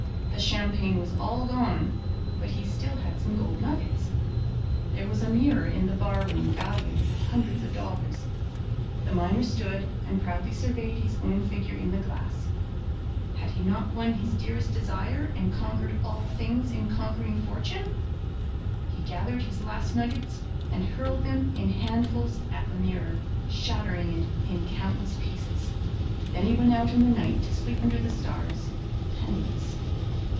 The champagne was all gone, but he still had some gold nuggets. There was a mirror in the bar room valued at hundreds of dollars. The miner stood and proudly surveyed his own figure in the glass. Had he not won his dearest desire and conquered all things in conquering fortune? He gathered his last nuggets and hurled them in handfuls at the mirror, shattering it in countless pieces. Then he went out in the night to sleep under the stars, penniless.